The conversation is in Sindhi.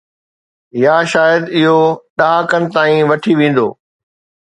يا شايد اهو ڏهاڪن تائين وٺي ويندو.